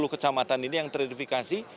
sepuluh kecamatan ini yang teridentifikasi